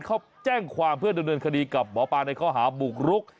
เขาแจ้งความเพื่อดำเนินคดีกับหมอปลาในข้อหาบุกรุก